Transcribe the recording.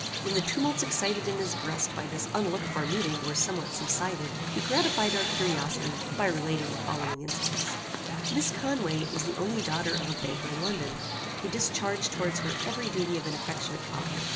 When the tumults excited in his breast by this unlooked for meeting were somewhat subsided, he gratified our curiosity by relating the following incidents. "Miss Conway was the only daughter of a banker in London, who discharged towards her every duty of an affectionate father.